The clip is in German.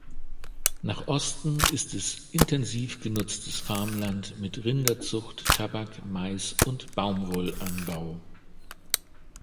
Nach Osten ist es intensiv genutztes Farmland mit Rinderzucht, Tabak, Mais und Baumwollanbau.